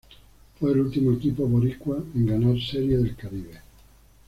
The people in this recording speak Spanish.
Fue el último equipo Boricua en ganar Serie del Caribe.